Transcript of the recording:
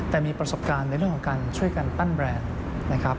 แต่มีประสบการณ์ในเรื่องของการช่วยกันปั้นแบรนด์นะครับ